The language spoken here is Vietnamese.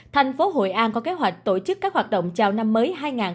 thành phố hội an có kế hoạch tổ chức các hoạt động chào năm mới hai nghìn hai mươi